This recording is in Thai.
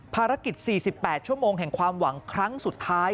ภารกิจ๔๘ชั่วโมงแห่งความหวังครั้งสุดท้าย